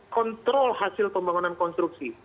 kontrol hasil pembangunan konstruksi